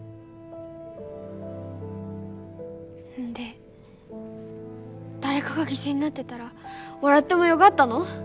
んで誰かが犠牲になってだら笑ってもよがったの？